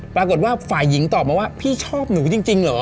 ปรากฏว่าฝ่ายหญิงตอบมาว่าพี่ชอบหนูจริงเหรอ